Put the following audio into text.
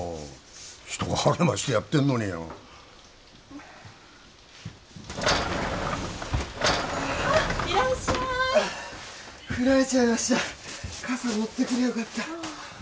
人が励ましてやってんのにいらっしゃい降られちゃいました傘持ってくりゃよかった